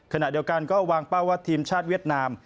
ขณะเดียวกันก็วางเป้าว่าทีมชาติเวียดนาม